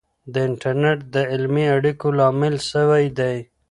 د انټرنیټ د علمي اړیکو لامل سوی دی.